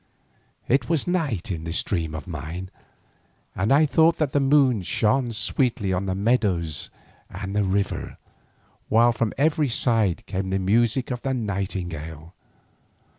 It was night in this dream of mine, and I thought that the moon shone sweetly on the meadows and the river, while from every side came the music of the nightingale.